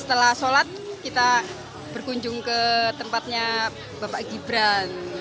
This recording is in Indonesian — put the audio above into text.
setelah sholat kita berkunjung ke tempatnya bapak gibran